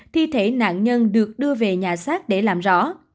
thi thể nạn nhân được đưa về nhà xác để làm rõ